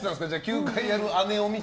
９回やる姉を見て。